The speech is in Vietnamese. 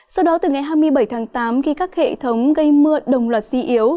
sau đó từ ngày hai mươi bảy tháng tám khi các hệ thống gây mưa đồng loạt suy yếu